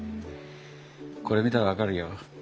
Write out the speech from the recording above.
これ見たら分かるよ。